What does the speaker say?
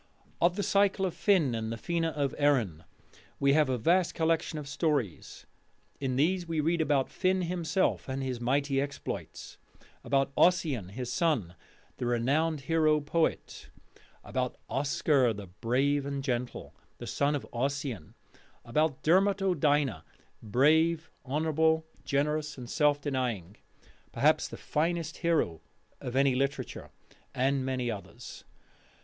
Of the Cycle of Finn and the Fena of Erin we have a vast collection of stories. In these we read about Finn himself and his mighty exploits; about Ossian his son, the renowned hero poet; about Oscar the brave and gentle, the son of Ossian; about Dermot O'Dyna, brave, honourable, generous, and self denying, perhaps the finest hero of any literature; and many others.